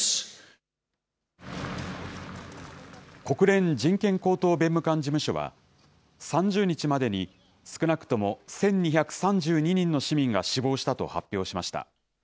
国連人権高等弁務官事務所は、３０日までに少なくとも１２３２人の市民が死亡したと発表しました。